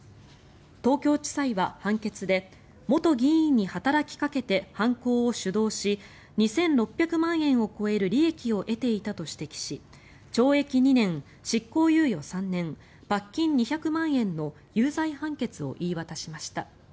東京地裁は判決で元議員に働きかけて犯行を主導し２６００万円を超える利益を得ていたと指摘し懲役２年、執行猶予３年罰金２００万円の有罪判決を言い渡しました。